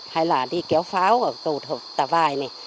hay là đi kéo pháo ở tà vài này